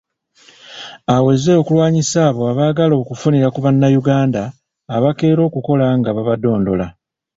Aweze okulwanyisa abo abaagala okufunira ku bannayuganda abakeera okukola nga babadondola.